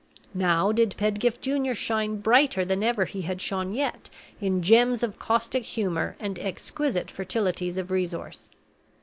Now did Pedgift Junior shine brighter than ever he had shone yet in gems of caustic humor and exquisite fertilities of resource.